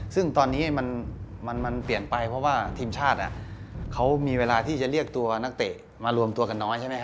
ซึ่งตอนนี้มันเปลี่ยนไปเพราะว่าทีมชาติเขามีเวลาที่จะเรียกตัวนักเตะมารวมตัวกันน้อยใช่ไหมฮ